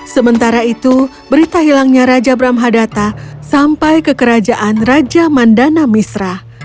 sementara itu berita hilangnya raja brahmadata sampai ke kerajaan raja mandana misra